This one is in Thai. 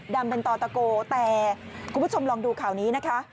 ดำเป็นต่อตะโกแต่คุณผู้ชมลองดูข่าวนี้นะคะ